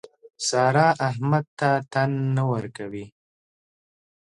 سارا احمد ته تن نه ورکوي.